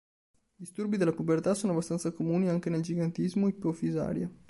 Disturbi della pubertà sono abbastanza comuni anche nel gigantismo ipofisario.